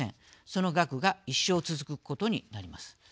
その額が一生続くことになります。